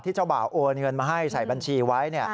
เจ้าบ่าวโอนเงินมาให้ใส่บัญชีไว้